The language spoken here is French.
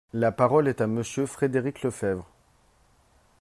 La parole est à Monsieur Frédéric Lefebvre.